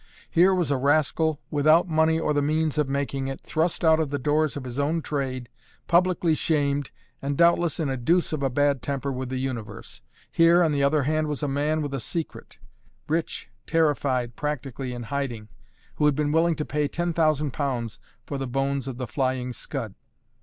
Here was a rascal without money or the means of making it, thrust out of the doors of his own trade, publicly shamed, and doubtless in a deuce of a bad temper with the universe. Here, on the other hand, was a man with a secret; rich, terrified, practically in hiding; who had been willing to pay ten thousand pounds for the bones of the Flying Scud.